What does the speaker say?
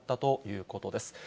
いうことです。